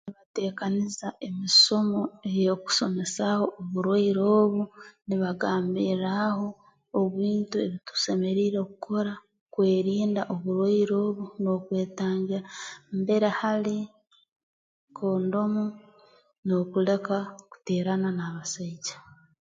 Nibateekaniza emisomo eyeekusomesaaho oburwaire obu nibagambirraaho obintu ebi tusemeriire kukora kwerinda oburwaire obu n'okwetangira mbere hali kondomu n'okuleka kuteerana n'abasaija